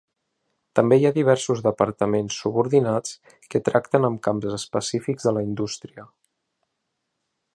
També hi ha diversos departaments subordinats que tracten amb camps específics de la indústria.